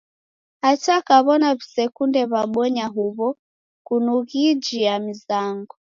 Hata kaw'ona w'isekunde w'abonya huw'o kunughjia mizango.